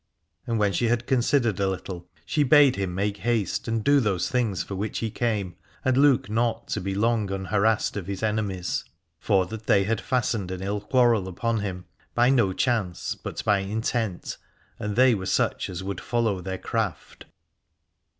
And when she had considered a little she bade him make haste and do those things for which he came, and look not to be long unharassed of his enemies: for that they had fastened an ill quarrel upon him by no chance but by in tent, and they were such as would follow their craft.